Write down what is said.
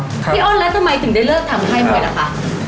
พี่อ้อนแล้วทำไมถึงได้เลิกทำค่ายมวยล่ะคะ